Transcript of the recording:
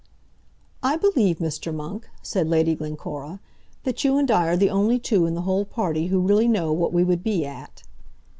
"I believe, Mr. Monk," said Lady Glencora, "that you and I are the only two in the whole party who really know what we would be at."